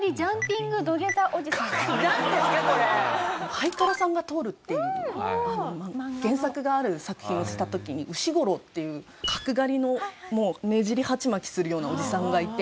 『はいからさんが通る』っていう原作がある作品をした時に牛五郎っていう角刈りのもうねじり鉢巻きするようなおじさんがいて。